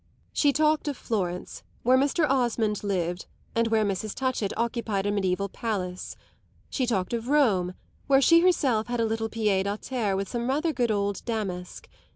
She talked of Florence, where Mr. Osmond lived and where Mrs. Touchett occupied a medieval palace; she talked of Rome, where she herself had a little pied à terre with some rather good old damask.